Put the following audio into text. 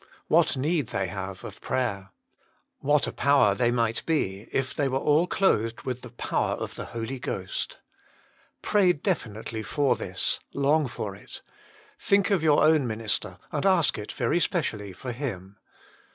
What need they have of prayer. What a power they might be, if they were all clothed with the power of the Holy Ghost. Pray definitely for this ; long for it. Think of your own minister, and ask it very specially for him.